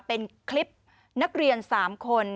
เป็นคลิปนักเรียน๓คน